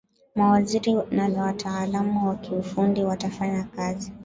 mawaziri na wataalamu wa kiufundi watafanya kazi